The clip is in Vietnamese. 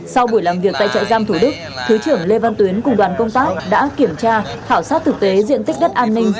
sau buổi làm việc tại trại giam thủ đức thứ trưởng lê văn tuyến cùng đoàn công tác đã kiểm tra khảo sát thực tế diện tích đất an ninh